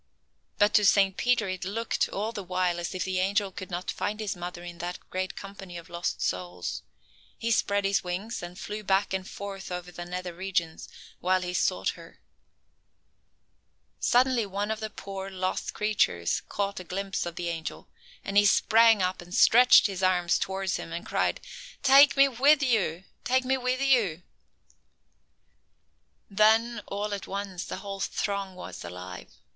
But to Saint Peter it looked all the while as if the angel could not find his mother in that great company of lost souls. He spread his wings and flew back and forth over the nether regions, while he sought her. Suddenly one of the poor lost creatures caught a glimpse of the angel, and he sprang up and stretched his arms towards him and cried: "Take me with you! Take me with you!" Then, all at once, the whole throng was alive.